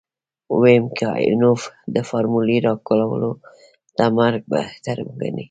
ويم که ايوانوف د فارمولې راکولو نه مرګ بهتر وګڼي.